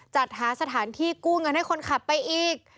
จัดหาสถานที่กู้เงินให้คนขับไปอีก